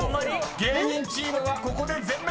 ［芸人チームはここで全滅！］